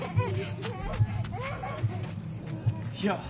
いや。